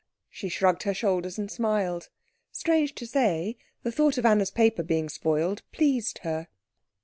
She shrugged her shoulders, and smiled; strange to say, the thought of Anna's paper being spoiled pleased her.